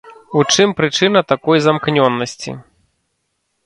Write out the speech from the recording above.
У чым прычына такой замкнёнасці?